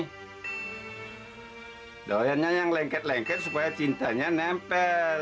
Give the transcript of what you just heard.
hai doanya yang lengket lengket supaya cintanya nempel